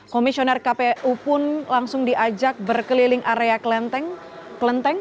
komisioner kpu pun langsung diajak berkeliling area kelenteng